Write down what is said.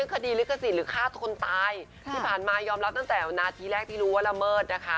คดีลิขสิทธิ์หรือฆ่าคนตายที่ผ่านมายอมรับตั้งแต่นาทีแรกที่รู้ว่าละเมิดนะคะ